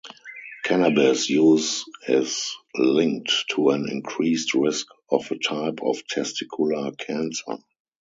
Cannabis use is linked to an increased risk of a type of testicular cancer.